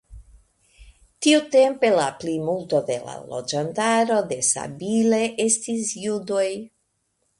Tiutempe la plimulto de la loĝantaro de Sabile estis judoj.